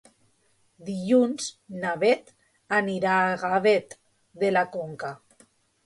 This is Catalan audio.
Dilluns na Beth anirà a Gavet de la Conca.